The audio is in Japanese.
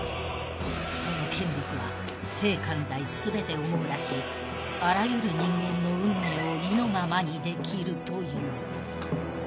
［その権力は政官財全てを網羅しあらゆる人間の運命を意のままにできるという］